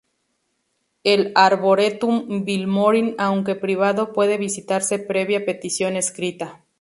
El Arboretum Vilmorin aunque privado, puede visitarse previa petición escrita.